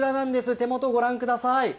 手元、ご覧ください。